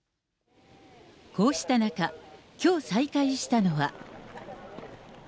こうした中、きょう再開したのは。